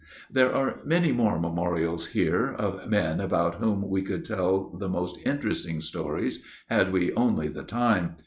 There are many more memorials here of men about whom we could tell the most interesting stories, had we only the time.